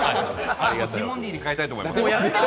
ティモンディに変えたいと思います。